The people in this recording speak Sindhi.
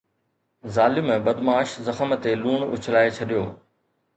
ظالم بدمعاش زخم تي لوڻ اڇلائي ڇڏيو